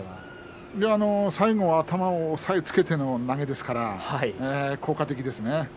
最後は頭を押さえつけての投げですから効果的ですね。